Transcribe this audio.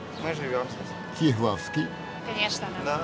キエフは好き？